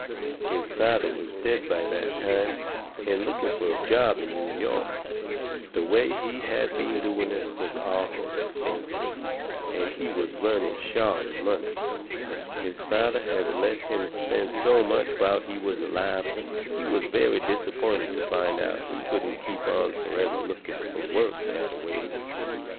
His father was dead by that time, and looking fur a job in New York, the way he had been doing it, was awful expensive, and he was running short of money. His father had let him spend so much whilst he was alive he was very disappointed to find out he couldn't keep on forever looking fur work that a way.